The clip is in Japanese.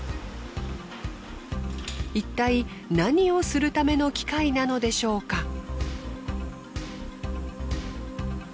いったい何をするための機械なのでしょうか？